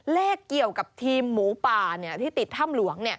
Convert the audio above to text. เลขเกี่ยวกับทีมหมูป่าที่ติดถ้ำหลวง